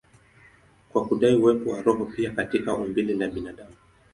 kwa kudai uwepo wa roho pia katika umbile la binadamu.